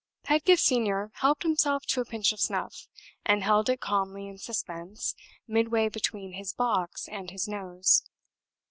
Pedgift Senior helped himself to a pinch of snuff, and held it calmly in suspense midway between his box and his nose.